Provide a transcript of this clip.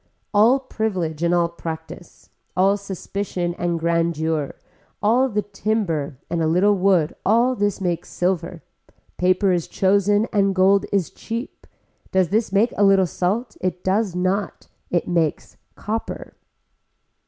All privilege and all practice, all suspicion and grandeur, all the timber and a little wood all this makes silver, paper is chosen and gold is cheap, does this make a little salt, it does not, it makes copper.